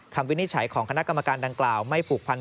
วินิจฉัยของคณะกรรมการดังกล่าวไม่ผูกพัน